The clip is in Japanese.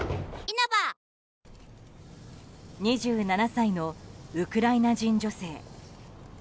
２７歳のウクライナ人女性。